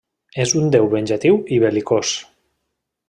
És un déu venjatiu i bel·licós.